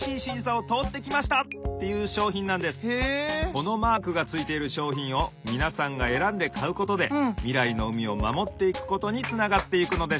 このマークがついているしょうひんをみなさんがえらんでかうことでみらいの海をまもっていくことにつながっていくのです。